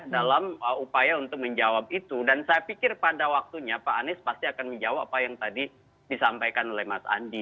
dalam upaya untuk menjawab itu dan saya pikir pada waktunya pak anies pasti akan menjawab apa yang tadi disampaikan oleh mas andi